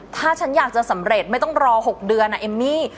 ถ้าฉันอยากจะสำเร็จไม่ต้องรอ๖เดือนเอมมี่